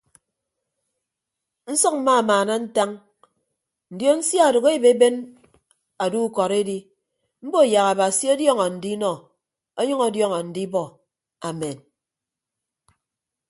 Nsʌk mmamaana ntañ ndion sia adoho ebeeben ado ukọd edi mbo yak abasi ọdiọn andinọ ọnyʌñ ọdiọñ andibọ amen.